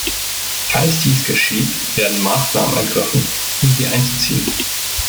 Falls dies geschieht, werden Maßnahmen ergriffen, um sie einzuziehen.